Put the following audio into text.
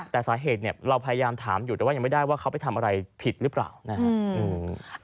แต่สาเหตุเนี่ยเราพยายามถามอยู่แต่ว่ายังไม่ได้ว่าเขาไปทำอะไรผิดหรือเปล่านะครับ